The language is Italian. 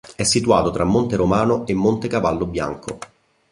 È situato tra Monte Romano e Monte Cavallo Bianco.